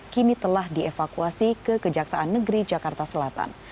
kini telah dievakuasi ke kejaksaan negeri jakarta selatan